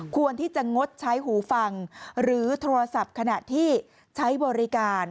ควรที่จะงดใช้หูฟังหรือโทรศัพท์ขณะที่ใช้บริการ